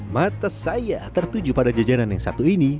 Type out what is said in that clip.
mata saya tertuju pada jajanan yang satu ini